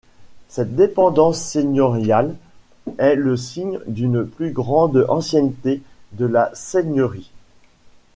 Cette dépendance seigneuriale est le signe d'une plus grande ancienneté de la seigneurie.